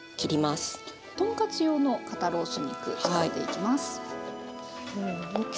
とんかつ用の肩ロース肉使っていきます。